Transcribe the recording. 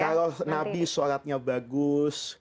kalau nabi sholatnya bagus